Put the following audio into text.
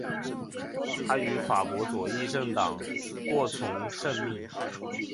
他与法国左翼政党过从甚密。